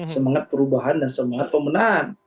semangat perubahan dan semangat pemenahan